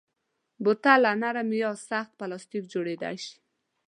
بوتل له نرم یا سخت پلاستیک جوړېدای شي.